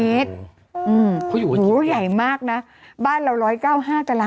อืมหูยใหญ่มากนะบ้านเรา๑๙๕ตรมนะคะ